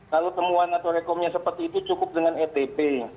kalau temuan atau rekomnya seperti itu cukup dengan etp